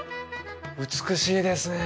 美しいですね